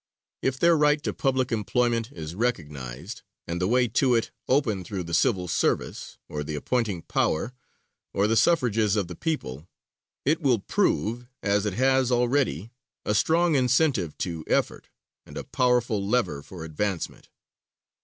If their right to public employment is recognized, and the way to it open through the civil service, or the appointing power, or the suffrages of the people, it will prove, as it has already, a strong incentive to effort and a powerful lever for advancement.